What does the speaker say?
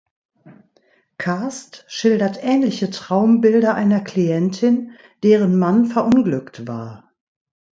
Kast schildert ähnliche Traumbilder einer Klientin, deren Mann verunglückt war.